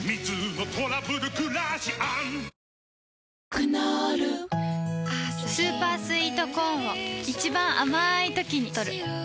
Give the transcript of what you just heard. クノールスーパースイートコーンを一番あまいときにとる